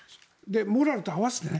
モラルと合わせてね。